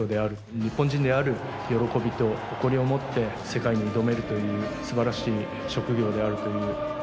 日本人である喜びと誇りを持って、世界に挑めるというすばらしい職業であるという。